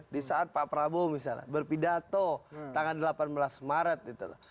di saat pak prabowo misalnya berpidato tanggal delapan belas maret gitu loh